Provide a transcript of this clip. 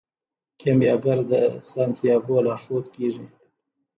کیمیاګر د سانتیاګو لارښود کیږي.